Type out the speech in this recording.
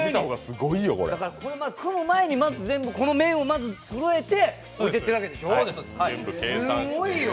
これ、組む前にこの面を全部そろえて置いていってるわけでしょすごいよ！